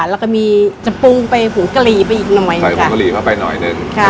แล้วก็มีจะปรุงไปผูกะหรี่ไปอีกหน่อยใส่ผงกะหรี่เข้าไปหน่อยหนึ่งค่ะ